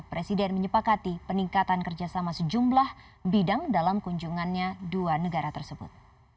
presiden menyepakati peningkatan kerjasama sejumlah bidang dalam kunjungannya dua negara tersebut